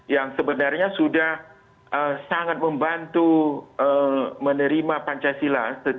yang sebenarnya sudah sangat membantu menerima pancasila